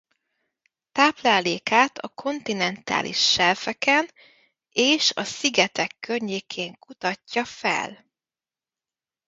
Táplálékát a kontinentális selfeken és a szigetek környékén kutatja fel.